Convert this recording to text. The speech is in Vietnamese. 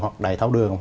hoặc đầy thao đường